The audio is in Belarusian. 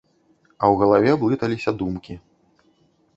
А ў галаве блыталіся думкі.